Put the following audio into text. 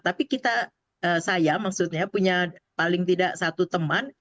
tapi kita saya maksudnya punya paling tidak satu teman